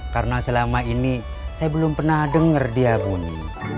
karena selama ini saya belum pernah dengar dia bunyi